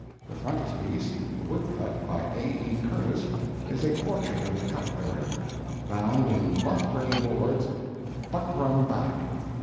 The frontispiece, a woodcut by A. E. Curtis, is a portrait of the cup bearer. Bound in buff grey boards, buckram back.